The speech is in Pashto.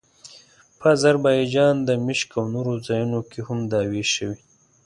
په اذربایجان، دمشق او نورو ځایونو کې هم دعوې شوې.